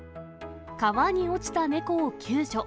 川に落ちた猫を救助。